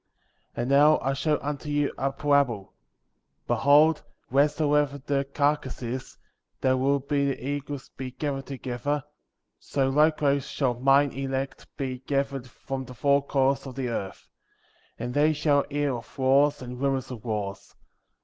27. And now I show unto you a parable. Be hold, wheresoever the carcass is, there will the eagles be gathered together; so likewise shall mine elect be gathered from the four quarters of the earth. 28. And they shall hear of wars, and rumors of wars.